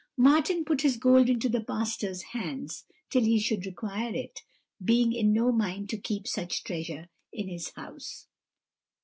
"Martin put his gold into the pastor's hands till he should require it, being in no mind to keep much treasure in his house.